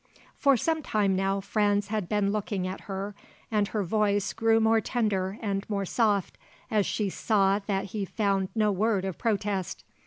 For some time now Franz had been looking at her and her voice grew more tender and more soft as she saw that he found no word of protest.